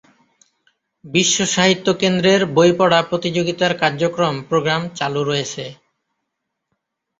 বিশ্ব সাহিত্য কেন্দ্রের বই পড়া প্রতিযোগিতার কার্যক্রম-প্রোগ্রাম চালু রয়েছে।